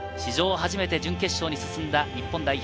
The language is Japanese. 初めて準決勝へ進んだ日本代表。